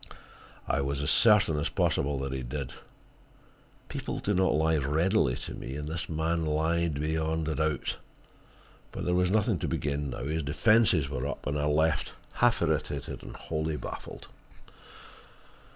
I was as certain as possible that he did. People do not lie readily to me, and this man lied beyond a doubt. But there was nothing to be gained now; his defenses were up, and I left, half irritated and wholly baffled.